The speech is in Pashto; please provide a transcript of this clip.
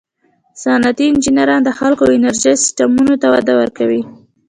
صنعتي انجینران د خلکو او انرژي سیسټمونو ته وده ورکوي.